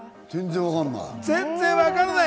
全然わからない。